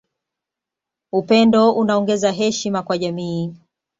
Upendo unaongeza heshima kwa jamii